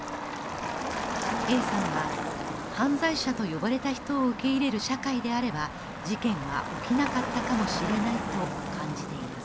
Ａさんは犯罪者と呼ばれた人を受け入れる社会であれば事件は起きなかったかもしれないと感じています。